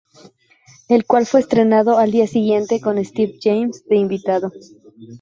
El cual fue estrenado al día siguiente con Steve James de invitado.